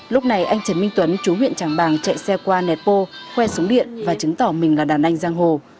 lúc này anh trần minh tuấn chú huyện tràng bàng chạy xe qua nẹt bô kho khoe súng điện và chứng tỏ mình là đàn anh giang hồ